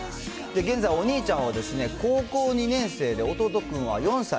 現在、お兄ちゃんはですね、高校２年生で、弟くんは４歳。